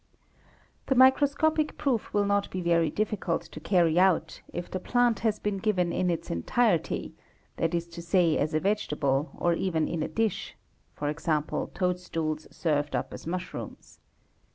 The microscopic proof will not be very difficult to carry out, if th plant has been given in its entirety that is to say as a vegetable or ev as a dish (e.g., toadstools served up as mushrooms).